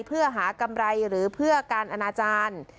เพื่อหากำไรหรือเพื่อการอนาจารย์